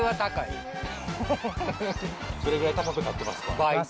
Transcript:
どれぐらい高くなってますか倍。